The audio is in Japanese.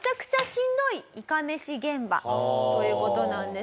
はあ。という事なんですよ。